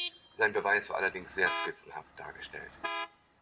Sein Beweis war allerdings sehr skizzenhaft dargestellt.